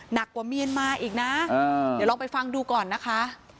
หนักกว่าเมียนมาอีกนะเดี๋ยวลองไปฟังดูก่อนนะคะ